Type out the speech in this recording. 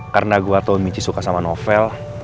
karena gua tau michi suka sama novel